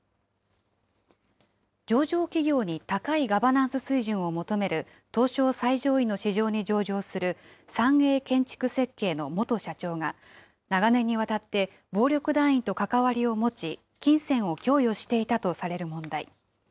上場企業に高いガバナンス水準を求める東証最上位の市場に上場する三栄建築設計の元社長が、長年にわたって暴力団員と関わりを持ち、金銭を供与していたとされる問題。